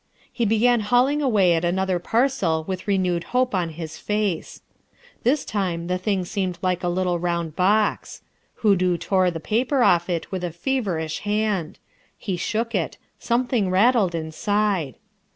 He began hauling away at another parcel with renewed hope on his face. This time the thing seemed like a little round box. Hoodoo tore the paper off it with a feverish hand. He shook it; something rattled inside.